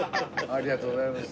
ありがとうございます。